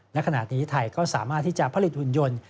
ณขณะนี้ไทยก็สามารถที่จะผลิตหุ่นยนต์